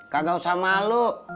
kagak usah malu